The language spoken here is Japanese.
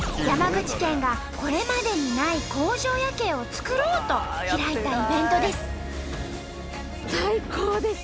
山口県がこれまでにない工場夜景を作ろうと開いたイベントです。